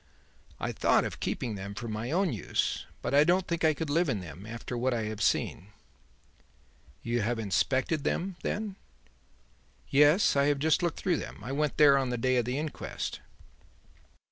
I thought of keeping them for my own use, but I don't think I could live in them after what I have seen." "You have inspected them, then?" "Yes; I have just looked through them. I went there on the day of the inquest."